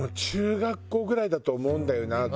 中学校ぐらいだと思うんだよな